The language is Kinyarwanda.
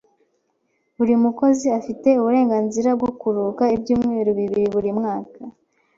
Buri mukozi afite uburenganzira bwo kuruhuka ibyumweru bibiri buri mwaka.